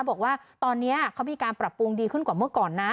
บอกว่าตอนนี้เขามีการปรับปรุงดีขึ้นกว่าเมื่อก่อนนะ